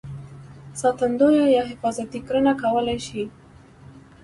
ساتندویه یا حفاظتي کرنه کولای شي.